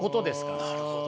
なるほど。